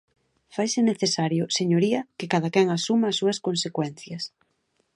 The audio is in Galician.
Faise necesario, señoría, que cadaquén asuma as súas consecuencias.